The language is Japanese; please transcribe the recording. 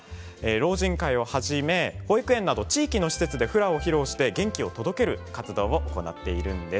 老人会をはじめ保育園など地域の施設でフラを披露して元気を届ける活動を行っているんです。